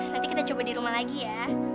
nanti kita coba di rumah lagi ya